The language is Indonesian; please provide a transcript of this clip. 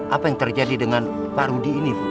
apa yang terjadi dengan pak rudi ini bu